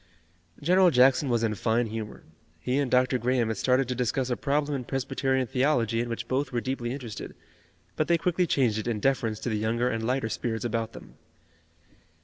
General Jackson was in fine humor. He and Dr. Graham had started to discuss a problem in Presbyterian theology in which both were deeply interested, but they quickly changed it in deference to the younger and lighter spirits about them.